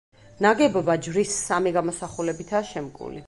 ნაგებობა ჯვრის სამი გამოსახულებითაა შემკული.